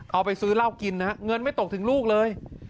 เอาไปซื้อเหล้ากินนะฮะเงินไม่ตกถึงลูกเลย